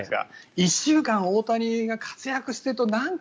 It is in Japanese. １週間、大谷が活躍してるとなんか